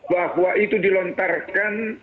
bahwa itu dilontarkan